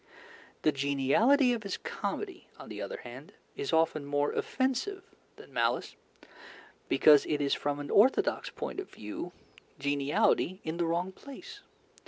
The geniality of his comedy, on the other hand, is often more offensive than malice, because it is from an orthodox point of view geniality in the wrong place.